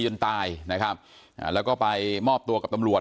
จนตายนะครับอ่าแล้วก็ไปมอบตัวกับตำรวจ